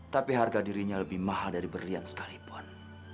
tapi harga dirinya lebih mahal dari berlian sekalipun